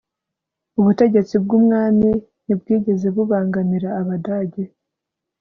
ubutegetsi bw'umwami ntibwigeze bubangamira abadage